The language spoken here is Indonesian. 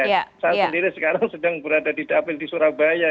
saya sendiri sekarang sedang berada di dapil di surabaya